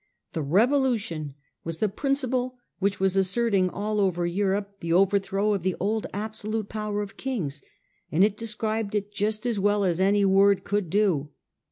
' The Revolution ' was the principle which was asserting all over Europe the overthrow of the old absolute power of kings, and it described it just as well as any word could do.